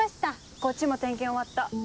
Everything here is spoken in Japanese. こっちも点検終わった。